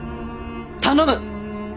頼む。